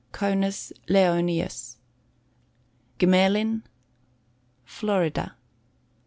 Conus Leoninus. Gmelin. Florida.